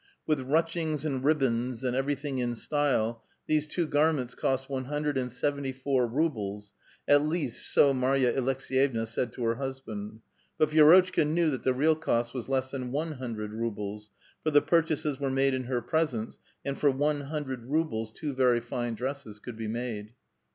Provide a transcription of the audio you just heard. With ruchings and ribbands, and evei*ything in style, these two garments cost one hundred and seventy four rubles, at least so Marj^a Aleks^yevna said to her hus band ; but Vi^rotchka knew that the real cost was less than one hundred rubles, for tlie jmrchases were made in her presence, and for one hundred rubles two very fine dresses could be made.